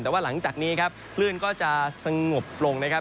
แต่ว่าหลังจากนี้ครับคลื่นก็จะสงบลงนะครับ